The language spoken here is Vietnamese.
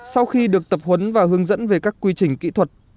sau khi được tập huấn và hướng dẫn về các quy trình kỹ thuật